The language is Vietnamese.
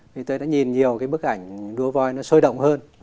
thì tôi đã nhìn nhiều cái bức ảnh đua voi nó sôi động hơn